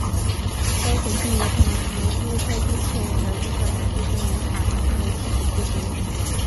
该行星有可能成为第一颗经确认的日射量接近于海王星的气体巨星。